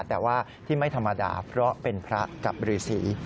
แต่ว่าที่ไม่ธรรมดาเพราะเป็นพระกับฤษี